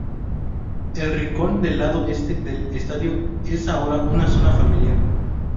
El rincón del lado este del estadio es ahora una zona familiar.